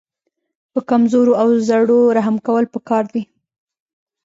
په کمزورو او زړو رحم کول پکار دي.